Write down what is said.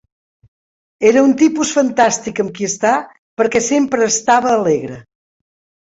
Era un tipus fantàstic amb qui estar perquè sempre estava alegre.